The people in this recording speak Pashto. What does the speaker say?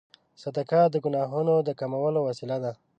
صدقه د ګناهونو د کمولو وسیله ده.